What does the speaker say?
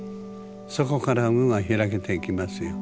そこから運は開けていきますよ。